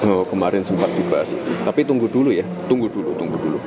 oh kemarin sempat dibahas itu tapi tunggu dulu ya tunggu dulu kemarin sempat dibahas